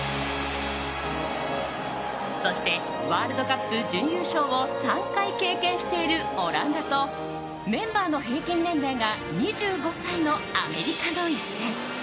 そしてワールドカップ準優勝を３回経験しているオランダとメンバーの平均年齢が２５歳のアメリカの一戦。